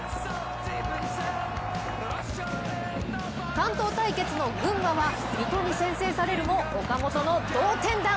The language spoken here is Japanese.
関東対決の群馬は水戸に先制されるも岡本の同点弾。